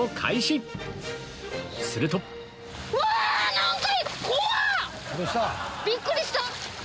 するとびっくりした！